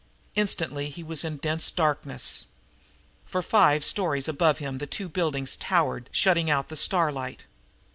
Instantly he was in a dense darkness. For five stories above him the two buildings towered, shutting out the starlight.